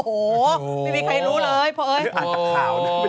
โอ้โฮไม่มีใครรู้เลยเพราะเอ๊ยโอ้โฮโอ้โฮโอ้โฮโอ้โฮ